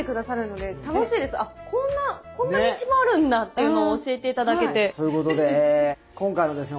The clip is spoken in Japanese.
あこんな道もあるんだっていうのを教えて頂けて。ということで今回はですね